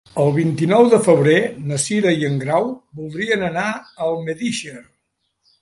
El vint-i-nou de febrer na Cira i en Grau voldrien anar a Almedíxer.